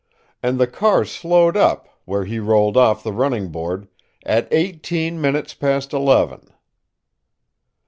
And the car slowed up, where he rolled off the running board, at eighteen minutes past eleven.